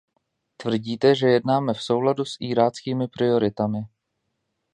Tvrdíte, že jednáme v souladu s iráckými prioritami.